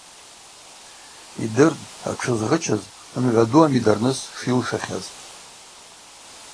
Йдртӏ, атшы згъычыз мгӏва ду амидарныс шйылшахьаз.